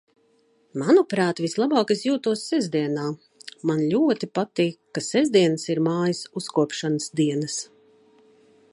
Manuprāt, vislabāk es jūtos sestdienā. Man ļoti patīk, ka sestdienas ir mājas uzkopšanas dienas.